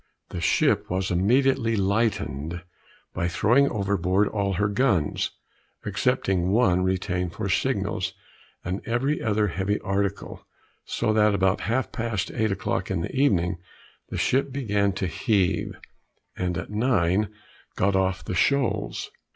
The ship was immediately lightened by throwing overboard all her guns, excepting one retained for signals, and every other heavy article, so that about half past eight o'clock in the evening the ship began to heave, and at nine got off the shoals.